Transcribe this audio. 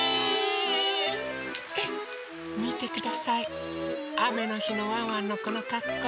みてくださいあめのひのワンワンのこのかっこう。